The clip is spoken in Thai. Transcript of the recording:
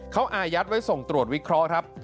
เขาอายัดไว้ส่งตรวจวิเคราะห์ครับ